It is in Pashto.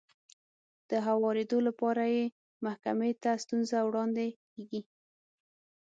د هوارېدو لپاره يې محکمې ته ستونزه وړاندې کېږي.